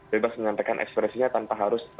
dan bebas menyampaikan ekspresinya tanpa harus